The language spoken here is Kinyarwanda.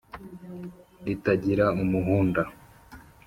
ritagira umuhunda